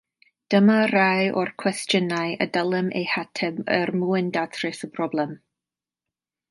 Dyma rai o'r cwestiynau y dylem eu hateb er mwyn datrys y broblem.